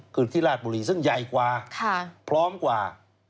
คือที่ราชบุรีซึ่งใหญ่กว่าพร้อมกว่า